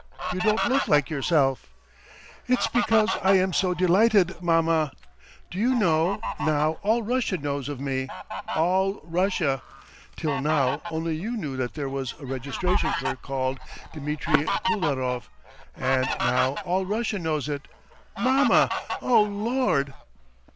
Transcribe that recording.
You don't look like yourself!" "It's because I am so delighted, Mamma! Do you know, now all Russia knows of me! All Russia! Till now only you knew that there was a registration clerk called Dmitry Kuldarov, and now all Russia knows it! Mamma! Oh, Lord!"